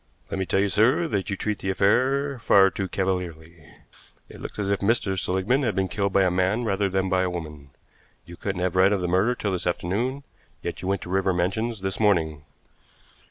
"Let me tell you, sir, that you treat the affair far too cavalierly. It looks as if Mr. Seligmann had been killed by a man rather than by a woman. You couldn't have read of the murder till this afternoon, yet you went to River Mansions this morning."